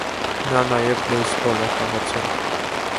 Նա նաև բեյսբոլ է խաղացել։